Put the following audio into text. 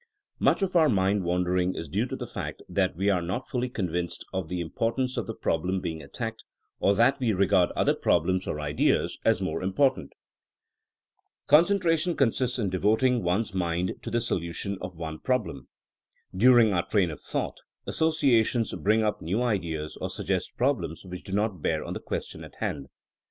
Much of our mind wandering is due to the fact tkat we are not fully convinced of the im portance of the problem being attacked, or that we regard other problems or ideas as more im portant. Concentration consists in devoting 76 THINKINa A8 A 80IEN0E one 's mind to the solution of one problem. Dur ing our train of thought associations bring up new ideas or suggest problems which do not bear on the question at hand.